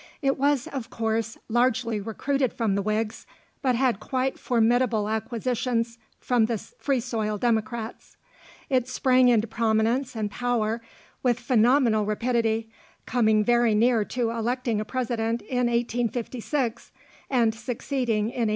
It was, of course, largely recruited from the Whigs, but had quite formidable acquisitions from the Free soil Democrats. It sprang into prominence and power with phenomenal rapidity, coming very near to electing a president in 1856, and succeeding in 1860.